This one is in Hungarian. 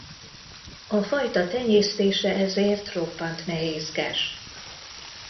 A fajta tenyésztése ezért roppant nehézkes.